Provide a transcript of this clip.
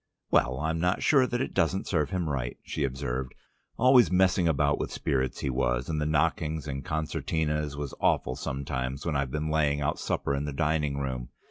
"Well, I'm not sure that it doesn't serve him right," she observed. "Always messing about with spirits he was, and the knockings and concertinas was awful sometimes when I've been laying out supper in the dining room.